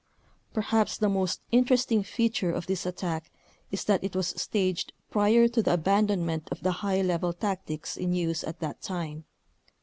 Perhaps the most interesting feature of this attack is that it was staged prior to the abandonment of the high level tactics in use at that time.